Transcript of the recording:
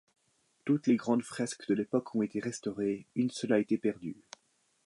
Toutes les grandes fresques de l'époque ont été restaurées, une seule a été perdue.